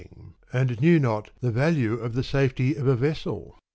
259 ing, and knew not the value of the safety of a vessel.